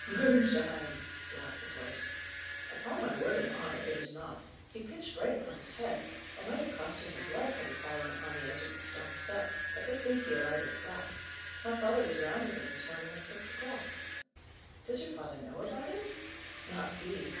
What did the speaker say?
"Moonshine!" laughed the boys. "Upon my word and honour, it is not. He pitched right upon his head; it might have cost him his life had he fallen upon the edge of the stone step, but they think he alighted flat. My father was round with him this morning at six o'clock." "Does your father know about it?" "Not he.